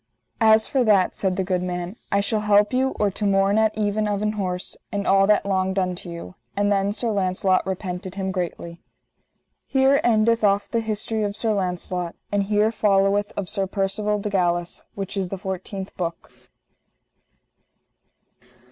As for that, said the good man, I shall help you or to morn at even of an horse, and all that longed unto you. And then Sir Launcelot repented him greatly. _Here endeth off the history of Sir Launcelot. And here followeth of Sir Percivale de Galis, which is the fourteenth book.